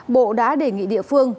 bộ đã đề nghị địa phương